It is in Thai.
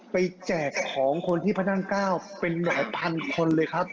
แจกของคนที่พระนั่งเก้าเป็นหลายพันคนเลยครับ